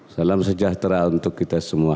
salam sejahtera untuk kita semua